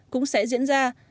cũng sẽ diễn ra